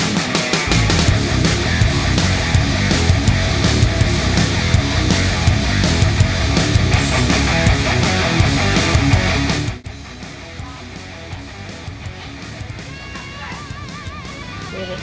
นักสร้างเวลาทั้ง๓๐๐๐รถ